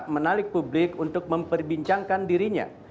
menarik publik untuk memperbincangkan dirinya